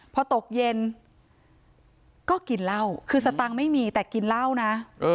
พอตกเย็นก็กินเหล้าคือสตังค์ไม่มีแต่กินเหล้านะ